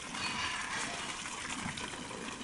前身是大阪府立护理短期大学。